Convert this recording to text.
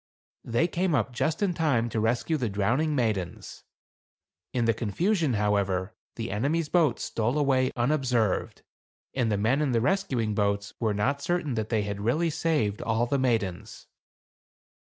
They came up just in time to rescue the drowning maidens. In the confusion, however, the enemy's boat stole away unobserved, and the men in the rescuing boats were not certain that they had really saved all the maidens.